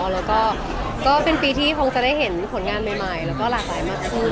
แล้วก็เป็นปีที่คงจะได้เห็นผลงานใหม่แล้วก็หลากหลายมากขึ้น